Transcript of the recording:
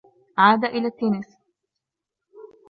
عاد إلى التّنس.